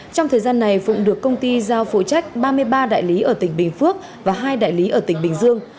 trong thời gian này phụng được công ty giao phụ trách ba mươi ba đại lý ở tỉnh bình phước và hai đại lý ở tỉnh bình dương